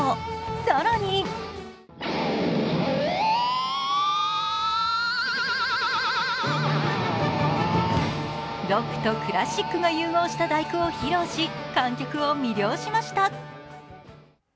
更にロックとクラシックが融合した「第九」を披露し観客を魅了しました。